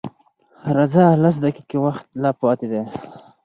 _راځه! لس دقيقې وخت لا پاتې دی.